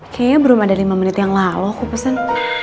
kayaknya belum ada lima menit yang lalu aku pesen